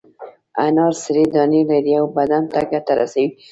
انار سرې دانې لري او بدن ته ګټه رسوي.